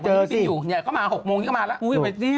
เจอสิเขามา๖โมงก็มาแล้ว